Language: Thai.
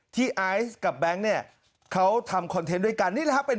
ที่ไอซ์แบงค์ก็ทำคอนเทนต์ด้วยกัน